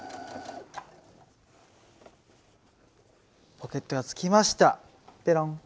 ポケットがつきましたペロン。